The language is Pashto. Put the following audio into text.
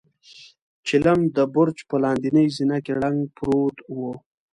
چيلم د برج په لاندنۍ زينه کې ړنګ پروت و.